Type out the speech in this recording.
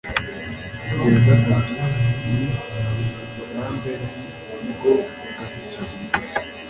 iya gatatu ni uburambe, ni bwo bukaze cyane